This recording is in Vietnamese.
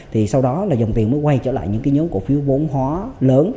thì sau đó là dòng tiền mới quay trở lại những cái nhóm cổ phiếu vốn hóa lớn